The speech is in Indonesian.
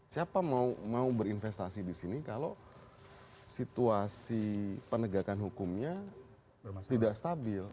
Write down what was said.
siapa mau berinvestasi di sini kalau situasi penegakan hukumnya tidak stabil